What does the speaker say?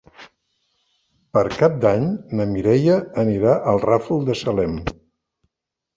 Per Cap d'Any na Mireia anirà al Ràfol de Salem.